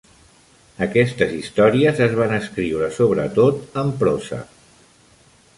Aquestes històries es van escriure sobretot en prosa.